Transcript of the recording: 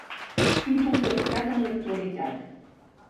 Títol caducat en l'actualitat.